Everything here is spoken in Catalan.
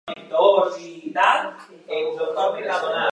Aquesta indústria va ser la que va provocar el creixement de la ciutat.